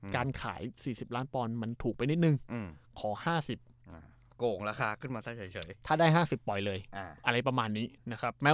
การขาย๔๐ล้านปอนด์มันถูกไปนิดนึงขอ๕๐ถ้าได้๕๐ปล่อยเลยอะไรประมาณนี้นะครับ